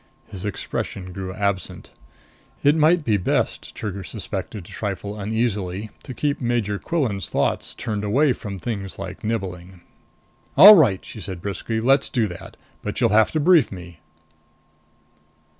His expression grew absent. It might be best, Trigger suspected, a trifle uneasily, to keep Major Quillan's thoughts turned away from things like nibbling. "All right," she said briskly. "Let's do that. But you'll have to brief me."